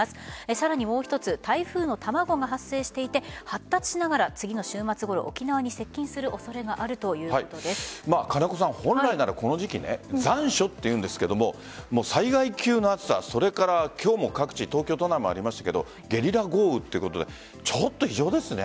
さらにもう一つ台風の卵が発生していて発達しながら、次の週末ごろ沖縄に接近する金子さん、本来ならこの時期残暑というんですが災害級の暑さ、それから今日も各地、東京都内もありましたがゲリラ豪雨ということで異常ですね。